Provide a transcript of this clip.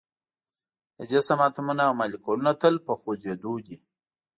د جسم اتومونه او مالیکولونه تل په خوځیدو دي.